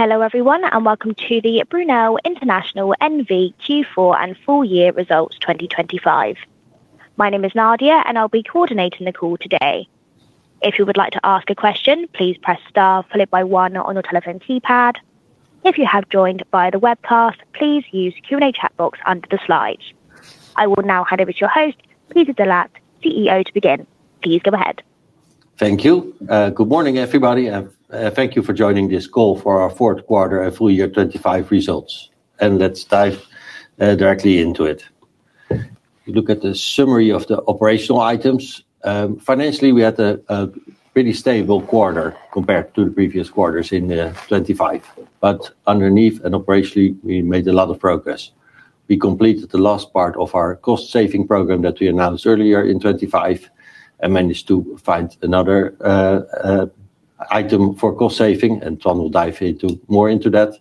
Hello, everyone, and welcome to the Brunel International N.V. Q4 and Full Year Results 2025. My name is Nadia, and I'll be coordinating the call today. If you would like to ask a question, please press star followed by one on your telephone keypad. If you have joined via the webcast, please use Q&A chat box under the slides. I will now hand over to your host, Peter de Laat, CEO, to begin. Please go ahead. Thank you. Good morning, everybody, and thank you for joining this call for our Fourth Quarter and Full Year 2025 Results. Let's dive directly into it. You look at the summary of the operational items. Financially, we had a pretty stable quarter compared to the previous quarters in 2025, but underneath and operationally, we made a lot of progress. We completed the last part of our cost-saving program that we announced earlier in 25 and managed to find another item for cost saving, and Toine will dive more into that.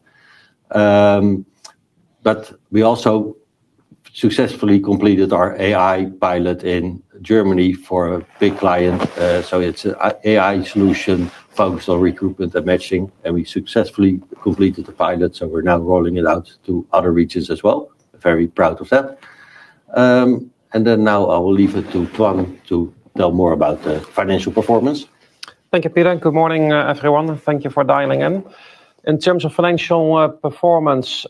We also successfully completed our AI pilot in Germany for a big client. It's an AI solution focused on recruitment and matching, and we successfully completed the pilot, so we're now rolling it out to other regions as well. Very proud of that. And then now I will leave it to Toine to tell more about the financial performance. Thank you, Peter, and good morning, everyone. Thank you for dialing in. In terms of financial performance,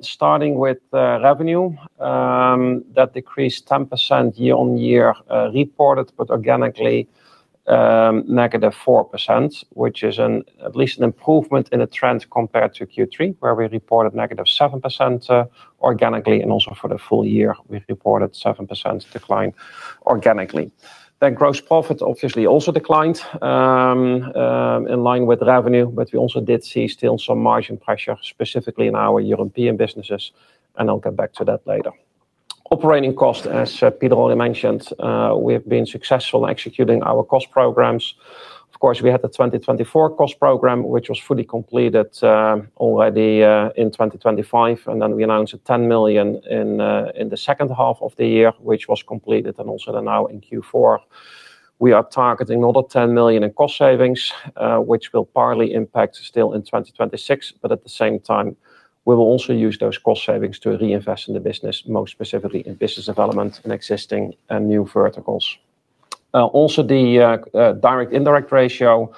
starting with the revenue, that decreased 10% year-on-year, reported, but organically, negative 4%, which is at least an improvement in the trend compared to Q3, where we reported negative 7% organically, and also for the full year, we've reported 7% decline organically. Then gross profit obviously also declined, in line with revenue, but we also did see still some margin pressure, specifically in our European businesses, and I'll get back to that later. Operating cost, as Peter already mentioned, we have been successful in executing our cost programs. Of course, we had the 2024 cost program, which was fully completed already in 2025, and then we announced 10 million in the second half of the year, which was completed. And also then now in Q4, we are targeting another 10 million in cost savings, which will partly impact still in 2026, but at the same time, we will also use those cost savings to reinvest in the business, most specifically in business development in existing and new verticals. Also the direct/indirect ratio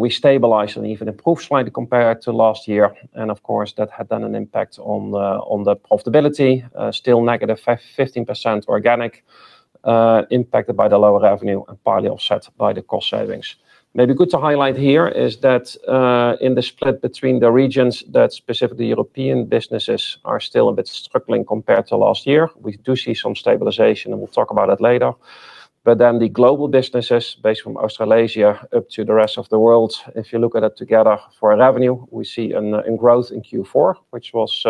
we stabilized and even improved slightly compared to last year, and of course, that had an impact on the profitability. Still negative 15% organic, impacted by the lower revenue and partly offset by the cost savings. Maybe good to highlight here is that in the split between the regions, that specifically European businesses are still a bit struggling compared to last year. We do see some stabilization, and we'll talk about that later. But then the global businesses, based from Australasia up to the rest of the world, if you look at it together for revenue, we see a growth in Q4, which was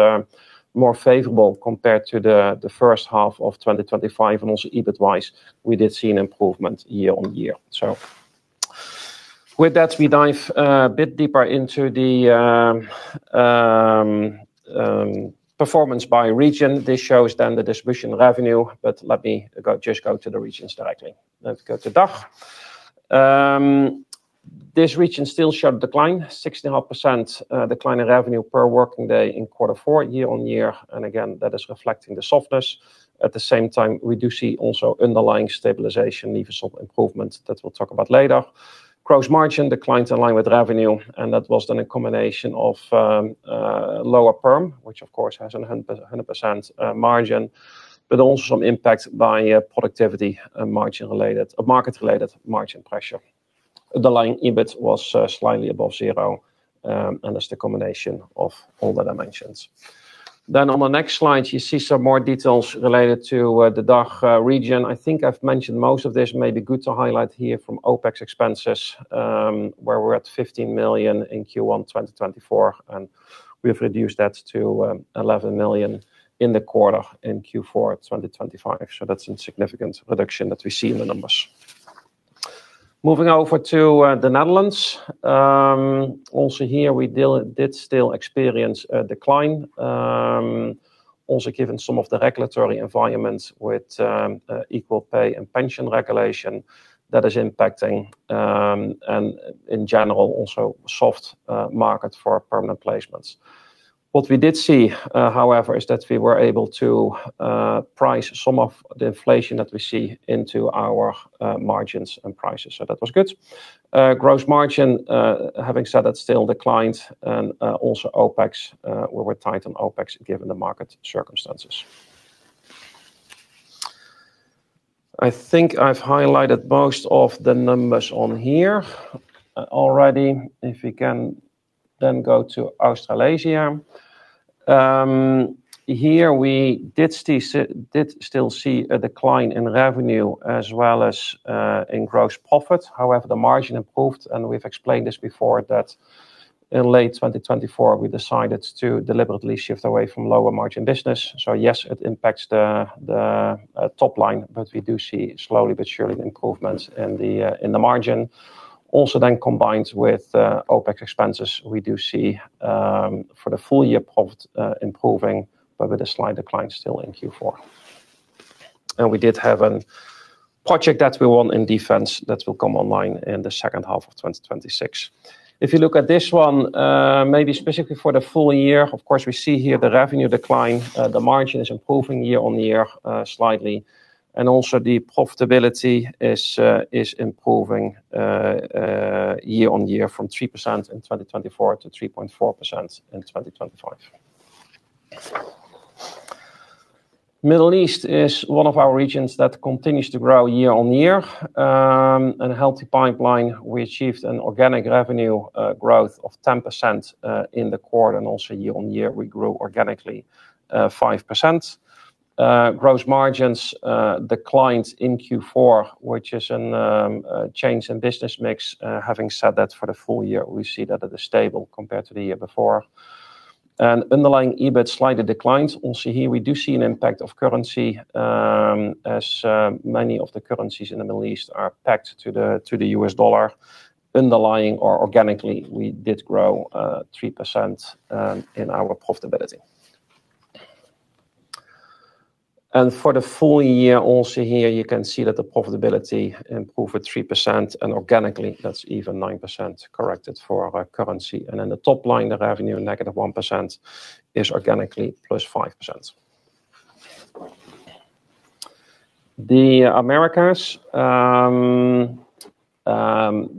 more favorable compared to the first half of 2025. And also EBIT-wise, we did see an improvement year-on-year. So with that, we dive a bit deeper into the performance by region. This shows then the distribution revenue, but just go to the regions directly. Let's go to DACH. This region still showed decline, 16.5% decline in revenue per working day in quarter four, year-on-year, and again, that is reflecting the softness. At the same time, we do see also underlying stabilization, even some improvement that we'll talk about later. Gross margin declines in line with revenue, and that was then a combination of lower perm, which of course has a hundred percent margin, but also some impact by productivity and margin-related or market-related margin pressure. The line EBIT was slightly above zero, and that's the combination of all the dimensions. Then on the next slide, you see some more details related to the DACH region. I think I've mentioned most of this. Maybe good to highlight here from OpEx expenses, where we're at 15 million in Q1 2024, and we've reduced that to 11 million in the quarter in Q4 2025. That's a significant reduction that we see in the numbers. Moving over to the Netherlands. Also here, we did still experience a decline, also given some of the regulatory environments with equal pay and pension regulation that is impacting, and in general, also soft market for permanent placements. What we did see, however, is that we were able to price some of the inflation that we see into our margins and prices, so that was good. Gross margin, having said that, still declined and also OpEx, we were tight on OpEx given the market circumstances. I think I've highlighted most of the numbers on here already. If we can then go to Australasia. Here we did still see a decline in revenue as well as in gross profit. However, the margin improved, and we've explained this before, that in late 2024, we decided to deliberately shift away from lower margin business. So yes, it impacts the top line, but we do see slowly but surely improvements in the margin. Also then combined with OpEx expenses, we do see for the full year profit improving, but with a slight decline still in Q4 and we did have a project that we won in defense that will come online in the second half of 2026. If you look at this one, maybe specifically for the full year, of course, we see here the revenue decline. The margin is improving year-on-year, slightly, and also the profitability is improving year-on-year from 3% in 2024 to 3.4% in 2025. Middle East is one of our regions that continues to grow year-on-year. And a healthy pipeline, we achieved an organic revenue growth of 10% in the quarter, and also year-on-year, we grew organically 5%. Gross margins declined in Q4, which is a change in business mix. Having said that, for the full years, we see that it is stable compared to the year before. And underlying EBIT slightly declined. Also, here we do see an impact of currency, as many of the currencies in the Middle East are pegged to the, to the US dollar. Underlying or organically, we did grow three percent in our profitability. And for the full year, also here you can see that the profitability improved 3%, and organically, that's even 9% corrected for our currency. And then the top line, the revenue, negative 1%, is organically +5%. The Americas,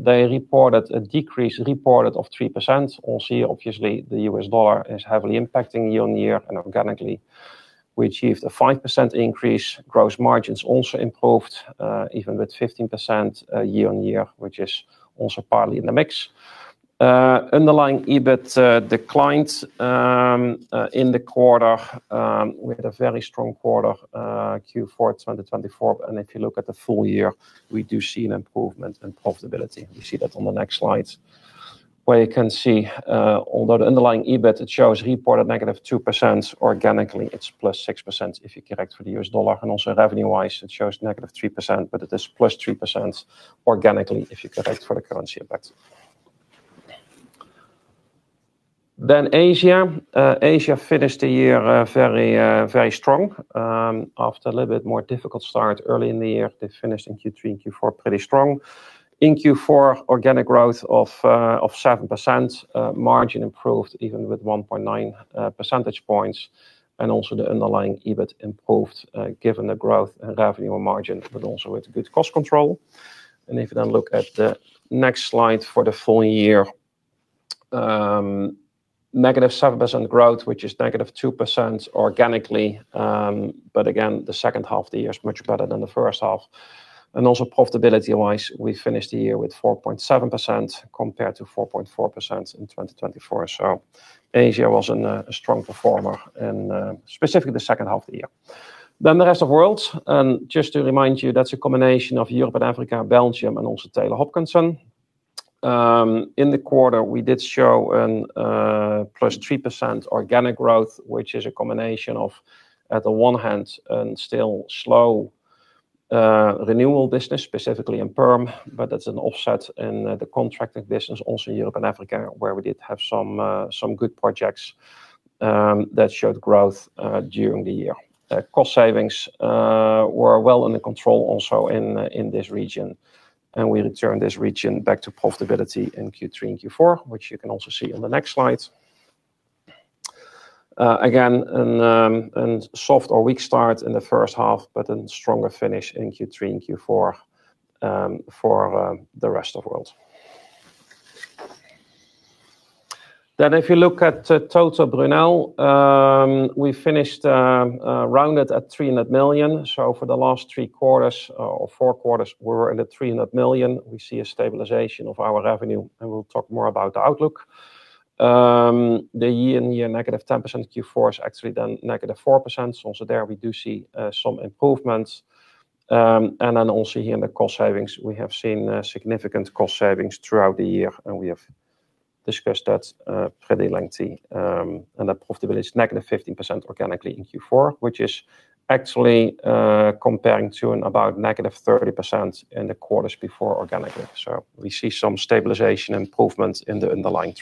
they reported a decrease reported of 3%. Also, obviously, the US dollar is heavily impacting year-on-year and organically, we achieved a 5% increase. Gross margins also improved, even with 15% year-on-year, which is also partly in the mix. Underlying EBIT declined in the quarter. We had a very strong quarter, Q4 2024, and if you look at the full year, we do see an improvement in profitability. We see that on the next slide, where you can see, although the underlying EBIT, it shows reported -2%, organically, it's +6% if you correct for the US dollar. And also revenue-wise, it shows -3%, but it is +3% organically if you correct for the currency effect. Then Asia. Asia finished the year, very, very strong. After a little bit more difficult start early in the year, they finished in Q3 and Q4 pretty strong. In Q4, organic growth of 7%, margin improved even with 1.9 percentage points, and also the underlying EBIT improved, given the growth and revenue on margin, but also with good cost control. And if you then look at the next slide for the full year, negative 7% growth, which is negative 2% organically, but again, the second half of the year is much better than the first half. And also profitability-wise, we finished the year with 4.7% compared to 4.4% in 2024. So Asia was a strong performer in specifically the second half of the year. Then the rest of world, and just to remind you, that's a combination of Europe and Africa, Belgium, and also Taylor Hopkinson. In the quarter, we did show a +3% organic growth, which is a combination of, at the one hand, a still slow renewable business, specifically in Perm, but that's an offset in the contracted business, also Europe and Africa, where we did have some good projects that showed growth during the year. Cost savings were well under control also in this region, and we returned this region back to profitability in Q3 and Q4, which you can also see on the next slide. Again, and soft or weak start in the first half, but then stronger finish in Q3 and Q4 for the rest of world. Then if you look at total Brunel, we finished rounded at 300 million. For the last three quarters or four quarters, we're in the 300 million. We see a stabilization of our revenue, and we'll talk more about the outlook. The year-on-year -10%, Q4 is actually then -4%. Also there, we do see some improvements. In the cost savings, we have seen significant cost savings throughout the year, and we have discussed that pretty lengthy. The profitability is -15% organically in Q4, which is actually comparing to about -30% in the quarters before organically. We see some stabilization improvements in the underlying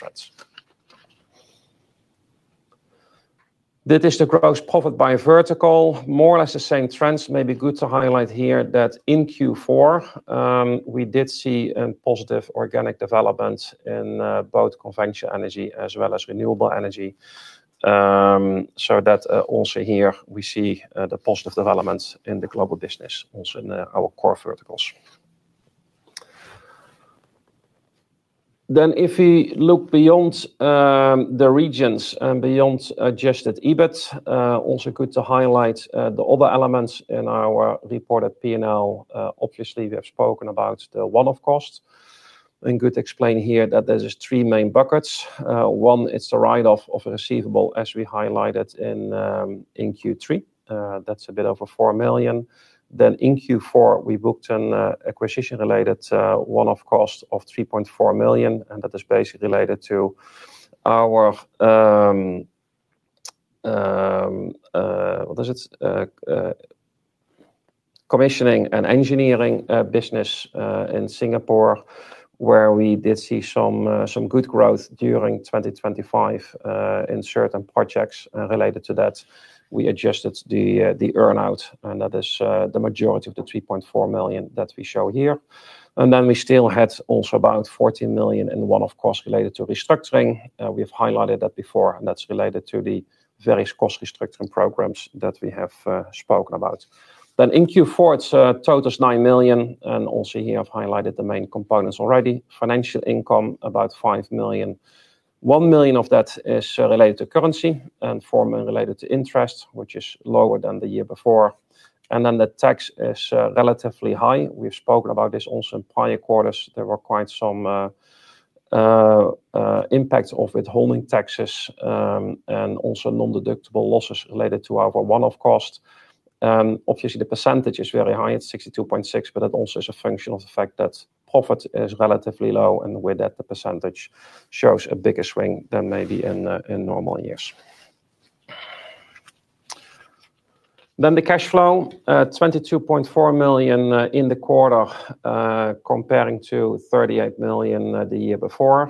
trends. This is the gross profit by vertical. More or less the same trends. Maybe good to highlight here that in Q4, we did see a positive organic development in both Conventional Energy as well as Renewable Energy. So that also here we see the positive developments in the global business, also in our core verticals. Then if we look beyond the regions and beyond adjusted EBIT, also good to highlight the other elements in our reported P&L. Obviously, we have spoken about the one-off costs, and good to explain here that there's just three main buckets. One, it's the write-off of a receivable, as we highlighted in Q3. That's a bit over 4 million. Then in Q4, we booked an acquisition-related one-off cost of 3.4 million, and that is basically related to our what is it? Commissioning and engineering business in Singapore, where we did see some good growth during 2025 in certain projects. Related to that, we adjusted the earn-out, and that is the majority of the 3.4 million that we show here. We still had also about 14.1 million, of course, related to restructuring. We've highlighted that before, and that's related to the various cost restructuring programs that we have spoken about. In Q4, total is 9 million, and also here I've highlighted the main components already. Financial income, about 5 million. 1 million of that is related to currency and 4 million related to interest, which is lower than the year before. The tax is relatively high. We've spoken about this also in prior quarters. There were quite some impacts of withholding taxes, and also non-deductible losses related to our one-off cost. Obviously, the percentage is very high at 62.6%, but that also is a function of the fact that profit is relatively low, and with that, the percentage shows a bigger swing than maybe in normal years. Then the cash flow, 22.4 million, in the quarter, comparing to 38 million the year before.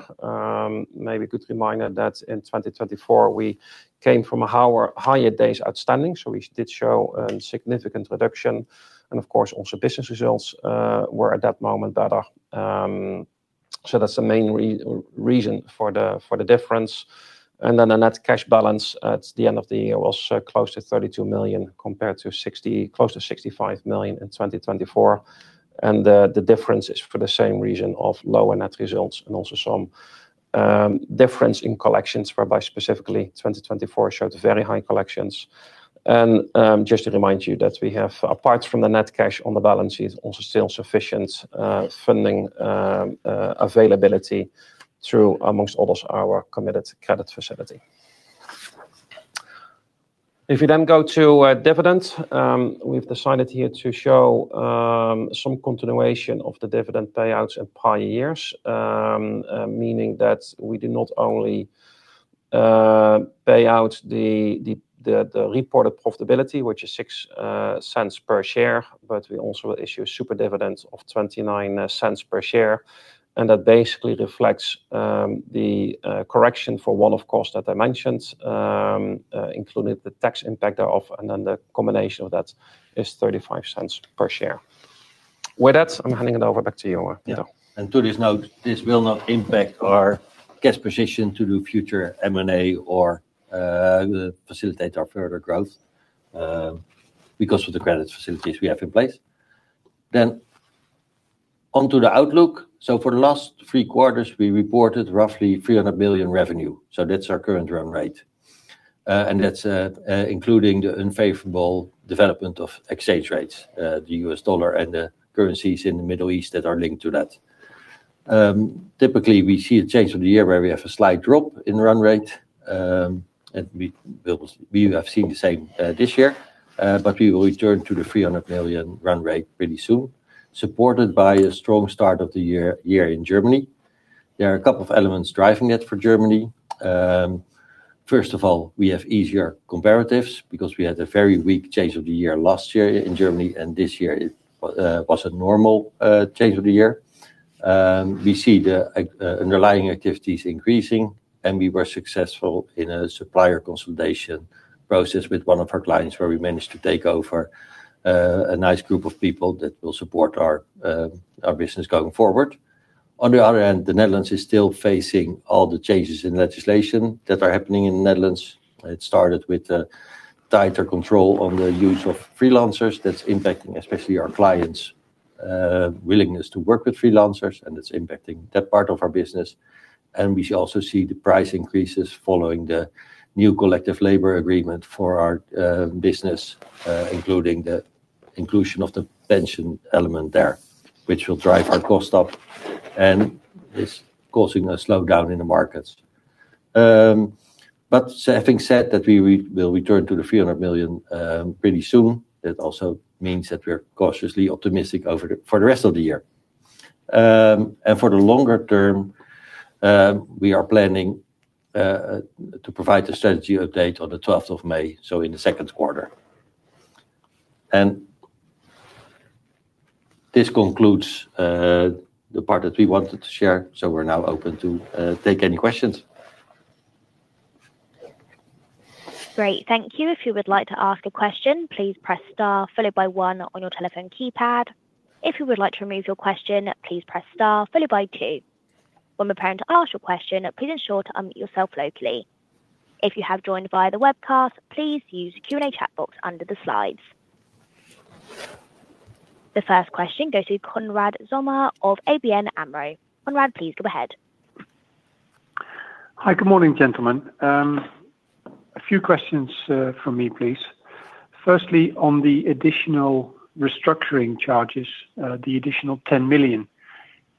Maybe a good reminder that in 2024, we came from a higher days outstanding, so we did show a significant reduction. Of course, also business results were at that moment better. So that's the main reason for the difference. And then the net cash balance at the end of the year was close to 32 million, compared to close to 65 million in 2024. The difference is for the same reason of lower net results and also some difference in collections, whereby specifically 2024 showed very high collections. Just to remind you that we have, apart from the net cash on the balance sheet, also still sufficient funding availability through, among others, our Committed Credit Facility. If you then go to dividends, we've decided here to show some continuation of the dividend payouts in prior years, meaning that we did not only pay out the reported profitability, which is 0.06 per share, but we also issue a super dividend of 0.29 per share. That basically reflects the correction for one-off cost that I mentioned, including the tax impact thereof, and then the combination of that is €0.35 per share. With that, I'm handing it over back to you Yeah. And to this note, this will not impact our cash position to do future M&A or, facilitate our further growth, because of the credit facilities we have in place. Then onto the outlook. So for the last three quarters, we reported roughly 300 million revenue. So that's our current run rate. And that's, including the unfavorable development of exchange rates, the U.S. dollar and the currencies in the Middle East that are linked to that. Typically, we see a change of the year where we have a slight drop in run rate, and we have seen the same, this year, but we will return to the 300 million run rate pretty soon, supported by a strong start of the year in Germany. There are a couple of elements driving it for Germany. First of all, we have easier comparatives because we had a very weak change of the year last year in Germany, and this year it was a normal change of the year. We see the underlying activities increasing, and we were successful in a supplier consolidation process with one of our clients, where we managed to take over a nice group of people that will support our business going forward. On the other hand, the Netherlands is still facing all the changes in legislation that are happening in the Netherlands. It started with a tighter control on the use of freelancers. That's impacting, especially our clients' willingness to work with freelancers, and it's impacting that part of our business. And we should also see the price increases following the new Collective Labor Agreement for our business, including the inclusion of the pension element there, which will drive our cost up, and it's causing a slowdown in the markets. But having said that, we, we will return to 300 million pretty soon. That also means that we're cautiously optimistic for the rest of the year. And for the longer term, we are planning to provide a strategy update on the twelfth of May, so in the second quarter. And this concludes the part that we wanted to share, so we're now open to take any questions. Great, thank you. If you would like to ask a question, please press star, followed by one on your telephone keypad. If you would like to remove your question, please press star, followed by two. When preparing to ask your question, please ensure to unmute yourself locally. If you have joined via the webcast, please use the Q&A chat box under the slides. The first question goes to Konrad Zomer of ABN AMRO. Konrad, please go ahead. Hi, good morning, gentlemen. A few questions from me, please. Firstly, on the additional restructuring charges, the additional 10 million,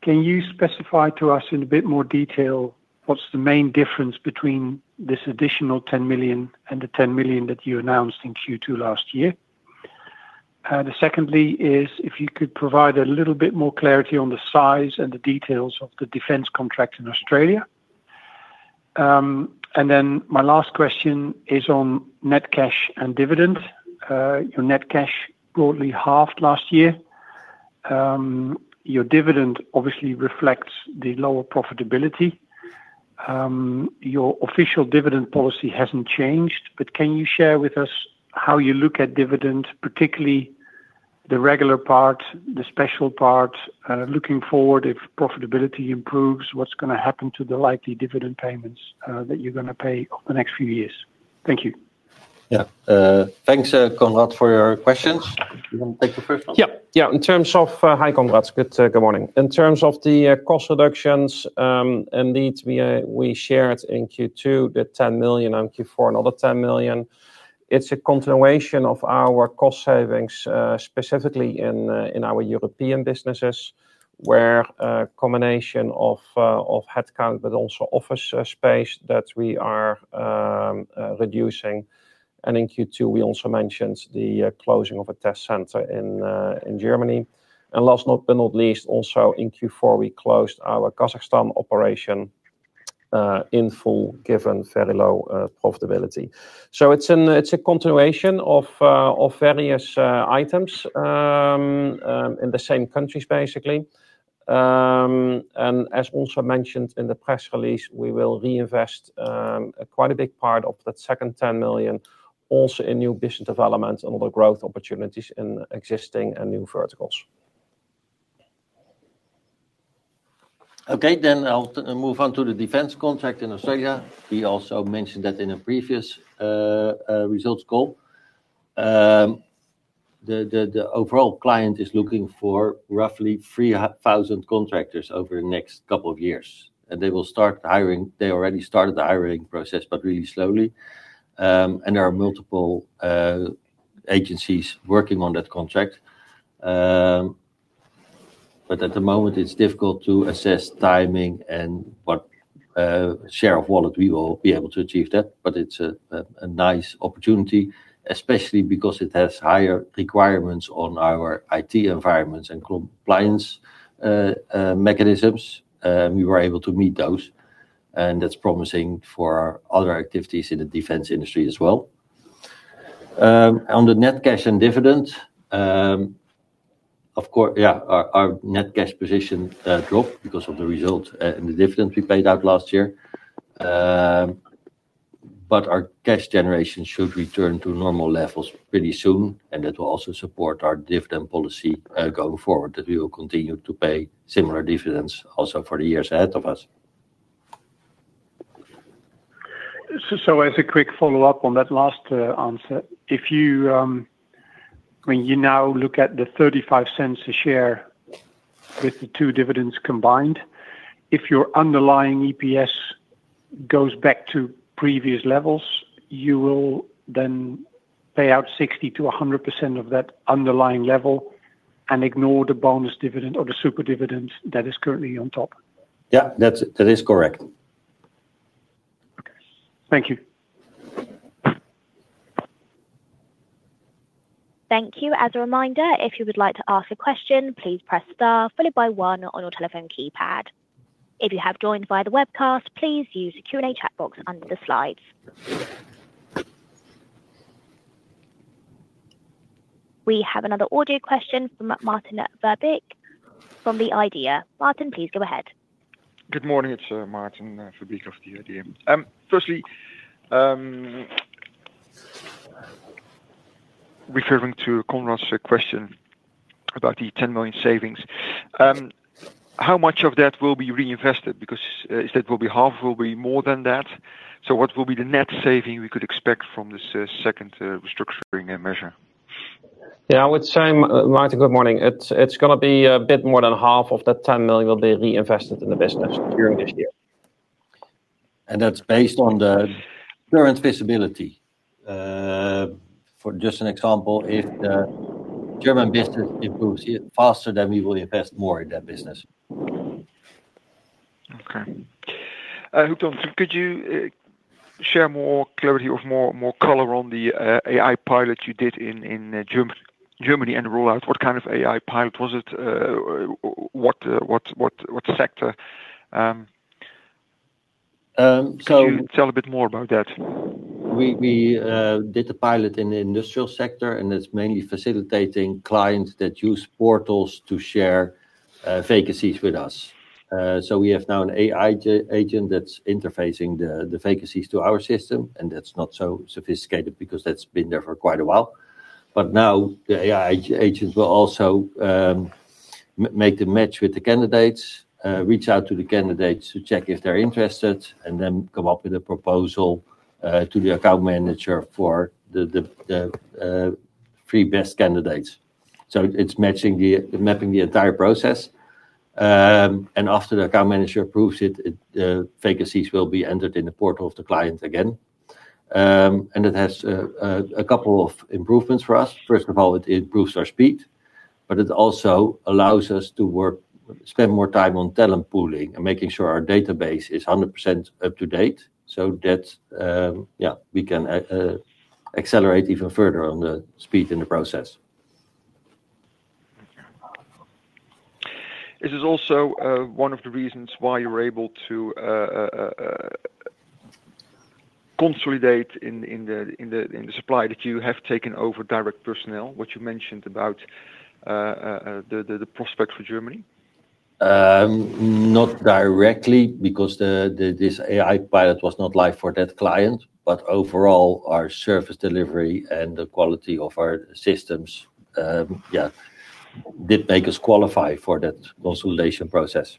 can you specify to us in a bit more detail, what's the main difference between this additional 10 million and the 10 million that you announced in Q2 last year? The secondly is, if you could provide a little bit more clarity on the size and the details of the defense contract in Australia. And then my last question is on net cash and dividends. Your net cash broadly halved last year. Your dividend obviously reflects the lower profitability. Your official dividend policy hasn't changed, but can you share with us how you look at dividends, particularly the regular part, the special part? Looking forward, if profitability improves, what's gonna happen to the likely dividend payments that you're gonna pay over the next few years? Thank you. Yeah. Thanks, Konrad, for your questions. You want to take the first one? Yeah. Yeah, in terms of, hi, Konrad. Good, good morning. In terms of the cost reductions, indeed, we shared in Q2 the 10 million, on Q4 another 10 million. It's a continuation of our cost savings, specifically in our European businesses, where a combination of headcount, but also office space that we are reducing. In Q2, we also mentioned the closing of a test center in Germany. Last but not least, also in Q4, we closed our Kazakhstan operation in full, given very low profitability. It's a continuation of various items in the same countries, basically. And as also mentioned in the press release, we will reinvest quite a big part of that second 10 million also in new business development and other growth opportunities in existing and new verticals. Okay, then I'll move on to the defense contract in Australia. We also mentioned that in a previous results call. The overall client is looking for roughly 3,000 contractors over the next couple of years, and they will start hiring. They already started the hiring process, but really slowly. And there are multiple agencies working on that contract. But at the moment it's difficult to assess timing and what share of wallet we will be able to achieve that, but it's a nice opportunity, especially because it has higher requirements on our IT environments and compliance mechanisms. We were able to meet those, and that's promising for other activities in the defense industry as well. On the net cash and dividend, our net cash position dropped because of the result, and the dividend we paid out last year. But our cash generation should return to normal levels pretty soon, and that will also support our dividend policy, going forward, that we will continue to pay similar dividends also for the years ahead of us. So as a quick follow-up on that last answer, when you now look at the €0.35 a share with the two dividends combined, if your underlying EPS goes back to previous levels, you will then pay out 60%-100% of that underlying level and ignore the bonus dividend or the super dividend that is currently on top? Yeah, that's, that is correct. Okay. Thank you. Thank you. As a reminder, if you would like to ask a question, please press star followed by one on your telephone keypad. If you have joined via the webcast, please use the Q&A chat box under the slides. We have another audio question from Maarten Verbeek from The Idea. Maarten, please go ahead. Good morning, it's Maarten Verbeek of The Idea. Firstly, referring to Konrad's question about the 10 million savings, how much of that will be reinvested? Because is that will be half, will be more than that. So what will be the net saving we could expect from this second restructuring and measure? Yeah, I would say, Martin, good morning. It's, it's gonna be a bit more than half of that $10 million will be reinvested in the business during this year. That's based on the current visibility. For just an example, if the German business improves faster, then we will invest more in that business. Okay. Could you share more clarity or more color on the AI pilot you did in Germany and the rollout? What kind of AI pilot was it? What sector? Um, so Can you tell a bit more about that? We did a pilot in the industrial sector, and it's mainly facilitating clients that use portals to share vacancies with us. So we have now an AI agent that's interfacing the vacancies to our system, and that's not so sophisticated because that's been there for quite a while. But now, the AI agent will also make the match with the candidates, reach out to the candidates to check if they're interested, and then come up with a proposal to the account manager for the three best candidates. So it's matching mapping the entire process. And after the account manager approves it, vacancies will be entered in the portal of the client again. And it has a couple of improvements for us. First of all, it improves our speed, but it also allows us to work, spend more time on talent pooling and making sure our database is 100% up to date. So that we can accelerate even further on the speed in the process. Is this also one of the reasons why you were able to consolidate in the supply that you have taken over Direct Personnel, what you mentioned about the prospects for Germany? Not directly, because this AI pilot was not live for that client, but overall, our service delivery and the quality of our systems, yeah, did make us qualify for that consolidation process.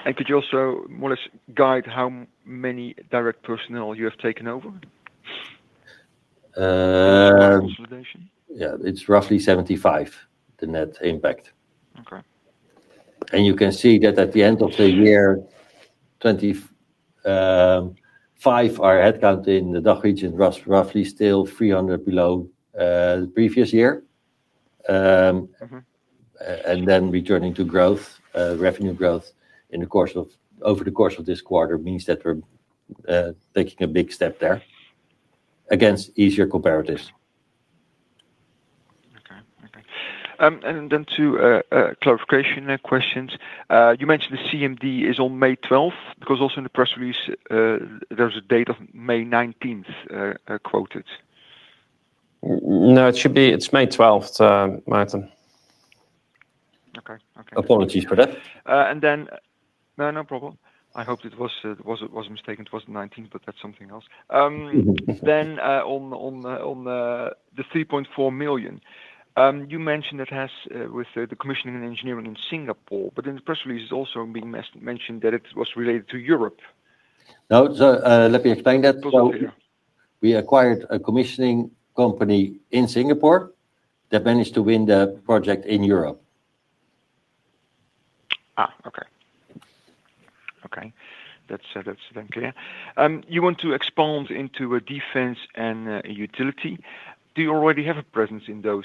Okay. And could you also more or less guide how many Direct Personnel you have taken over? Uh Consolidation. Yeah, it's roughly 75, the net impact. Okay. You can see that at the end of the year 2025, our headcount in the DACH region was roughly still 300 below the previous year. Mm-hmm. Returning to growth, revenue growth over the course of this quarter means that we're taking a big step there against easier comparatives. Okay. Okay. And then two clarification questions. You mentioned the CMD is on May twelfth, because also in the press release, there was a date of May nineteenth quoted. No, it should be. It's May 12th, Maarten. Okay. Okay. Apologies for that. And then. No, no problem. I hoped it was a mistake, and it was the nineteenth, but that's something else. Then, on the 3.4 million, you mentioned it has with the commissioning and engineering in Singapore, but in the press release, it's also being mentioned that it was related to Europe. No, so, let me explain that. Yeah. We acquired a commissioning company in Singapore that managed to win the project in Europe. Ah, okay. Okay, that's then clear. You want to expand into defense and utility. Do you already have a presence in those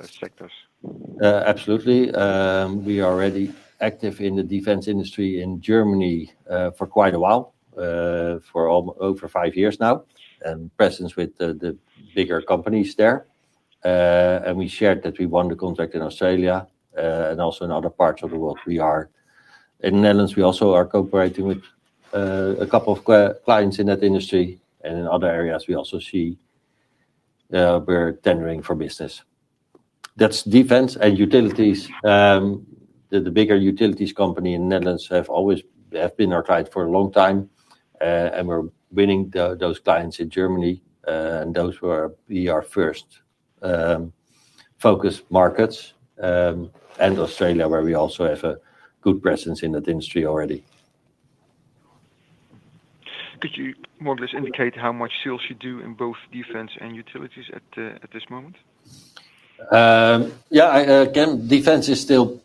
sectors? Absolutely. We are already active in the defense industry in Germany for quite a while, over five years now, and presence with the bigger companies there. And we shared that we won the contract in Australia, and also in other parts of the world. In the Netherlands, we also are cooperating with a couple of clients in that industry, and in other areas, we also see we're tendering for business. That's defense and utilities. The bigger utilities company in Netherlands have always been our client for a long time, and we're winning those clients in Germany, and those will be our first focus markets, and Australia, where we also have a good presence in that industry already. Could you more or less indicate how much sales you do in both defense and utilities at, at this moment? Yeah, again, defense is still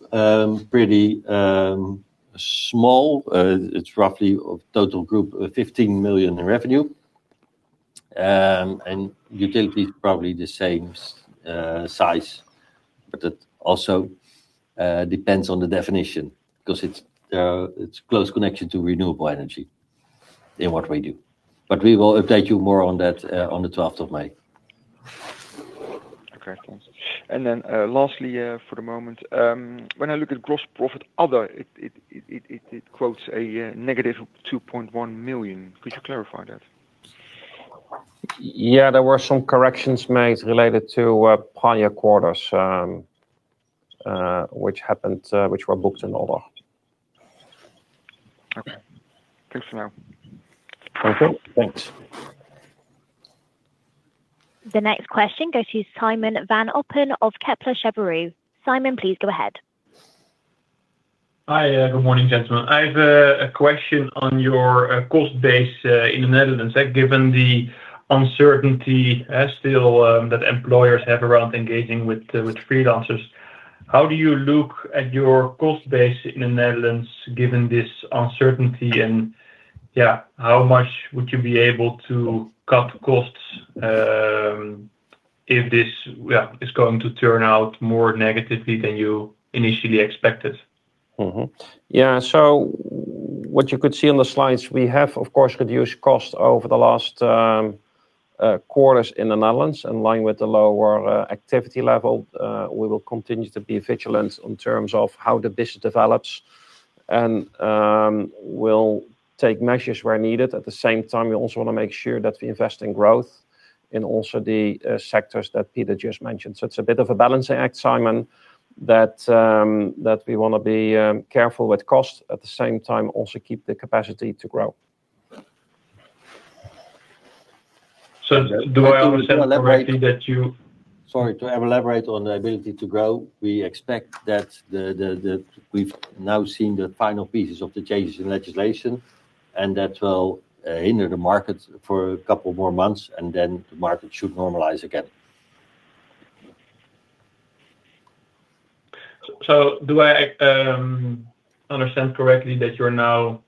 pretty small. It's roughly of total group 15 million in revenue. And utility is probably the same size, but that also depends on the definition 'cause it's close connection to Renewable Energy in what we do. But we will update you more on that, on the twelfth of May. Okay, thanks. And then, lastly, for the moment, when I look at gross profit, other, it quotes -2.1 million. Could you clarify that? Yeah, there were some corrections made related to prior quarters, which were booked in other. Okay. Thanks for now. Okay, thanks. The next question goes to Simon van Oppen of Kepler Cheuvreux. Simon, please go ahead. Hi, good morning, gentlemen. I've a question on your cost base in the Netherlands, given the uncertainty still that employers have around engaging with freelancers. How do you look at your cost base in the Netherlands, given this uncertainty? Yeah, how much would you be able to cut costs if this is going to turn out more negatively than you initially expected? Yeah, so what you could see on the slides, we have, of course, reduced costs over the last quarters in the Netherlands in line with the lower activity level. We will continue to be vigilant in terms of how the business develops and we'll take measures where needed. At the same time, we also want to make sure that we invest in growth in also the sectors that Peter just mentioned. So it's a bit of a balancing act, Simon, that we want to be careful with cost, at the same time, also keep the capacity to grow. So do I understand correctly that you? Sorry, to elaborate on the ability to grow, we expect that we've now seen the final pieces of the changes in legislation, and that will hinder the market for a couple more months, and then the market should normalize again. So do I understand correctly that you're now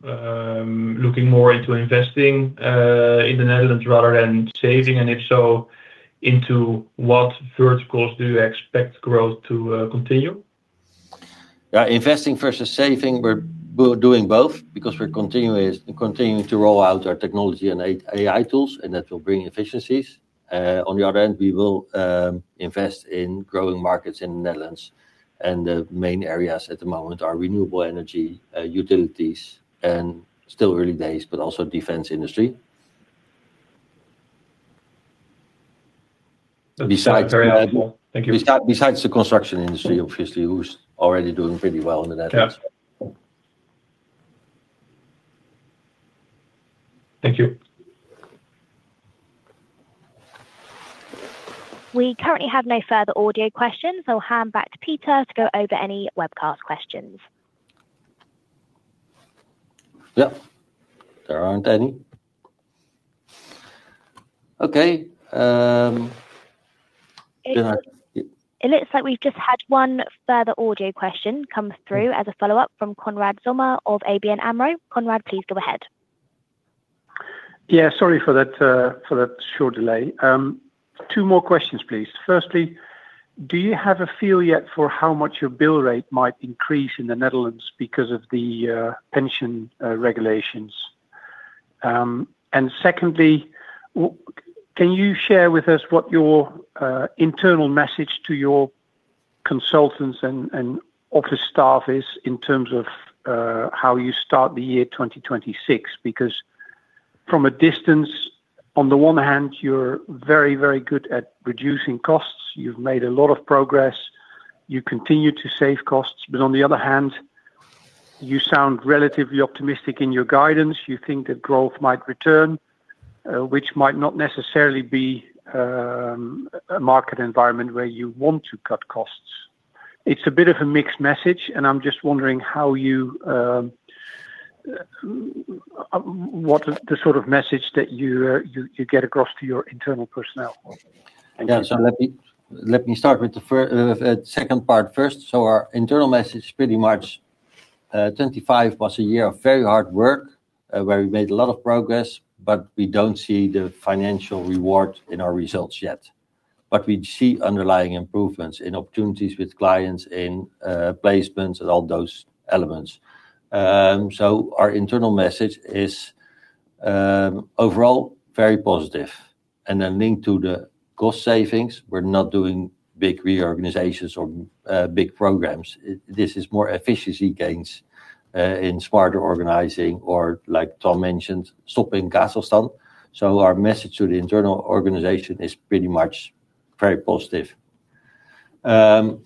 looking more into investing in the Netherlands rather than saving? And if so, into what verticals do you expect growth to continue? Yeah, investing versus saving, we're doing both because we're continuing to roll out our technology and AI tools, and that will bring efficiencies. On the other end, we will invest in growing markets in the Netherlands, and the main areas at the moment are Renewable Energy, utilities, and still early days, but also defense industry. Very helpful. Thank you. Besides the construction industry, obviously, who's already doing pretty well in the Netherlands. Yeah. Thank you. We currently have no further audio questions, so I'll hand back to Peter to go over any webcast questions. Yep. There aren't any. Okay, It looks like we've just had one further audio question come through as a follow-up from Konrad Zomer of ABN AMRO. Konrad, please go ahead. Yeah, sorry for that short delay. Two more questions, please. Firstly, do you have a feel yet for how much your bill rate might increase in the Netherlands because of the pension regulations? Secondly, can you share with us what your internal message to your consultants and office staff is in terms of how you start the year 2026? Because from a distance, on the one hand, you're very, very good at reducing costs. You've made a lot of progress. You continue to save costs, but on the other hand, you sound relatively optimistic in your guidance. You think that growth might return, which might not necessarily be a market environment where you want to cut costs. It's a bit of a mixed message, and I'm just wondering what is the sort of message that you get across to your internal personnel? Thank you. Yeah, so let me start with the second part first. So our internal message, pretty much, 2025 was a year of very hard work, where we made a lot of progress, but we don't see the financial reward in our results yet. But we see underlying improvements in opportunities with clients, in placements and all those elements. So our internal message is, overall, very positive. And then linked to the cost savings, we're not doing big reorganizations or big programs. This is more efficiency gains in smarter organizing, or like Tom mentioned, stopping Kazakhstan. So our message to the internal organization is pretty much very positive. Then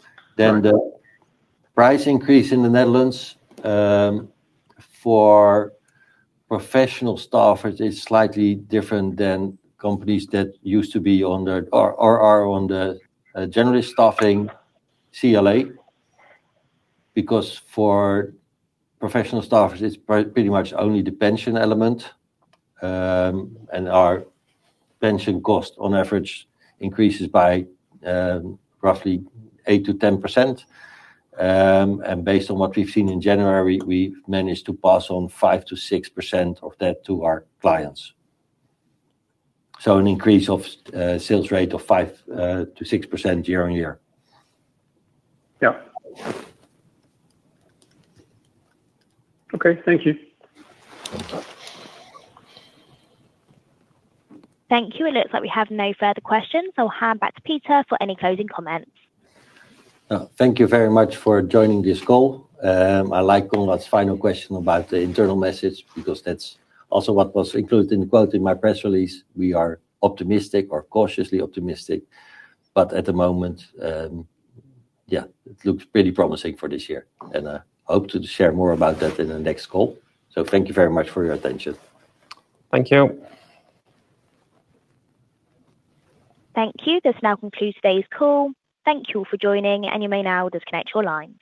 the price increase in the Netherlands, for professional staff, it is slightly different than companies that used to be on the are on the generally staffing CLA, because for professional staff, it's pretty much only the pension element. And our pension cost, on average, increases by roughly 8%-10%. And based on what we've seen in January, we've managed to pass on 5%-6% of that to our clients. So an increase of sales rate of 5%-6% year-on-year. Yeah. Okay, thank you. Okay. Thank you. It looks like we have no further questions, so I'll hand back to Peter for any closing comments. Thank you very much for joining this call. I like Konrad's final question about the internal message, because that's also what was included in the quote in my press release. We are optimistic or cautiously optimistic, but at the moment, yeah, it looks pretty promising for this year, and I hope to share more about that in the next call. Thank you very much for your attention. Thank you. Thank you. This now concludes today's call. Thank you all for joining, and you may now disconnect your lines.